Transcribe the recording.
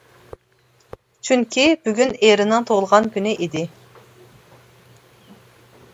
چۈنكى بۈگۈن ئېرىنىڭ تۇغۇلغان كۈنى ئىدى.